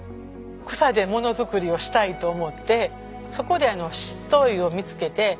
草でものづくりをしたいと思ってそこで七島藺を見つけて。